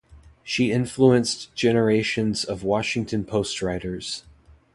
She influenced generations of Washington Post writers.